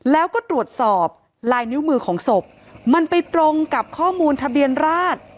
แล้วก็ตรวจสอบลายนิ้วมือของศพมันไปตรงกับข้อมูลทะเบียนราช